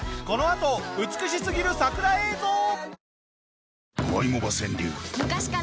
このあと美しすぎる桜映像。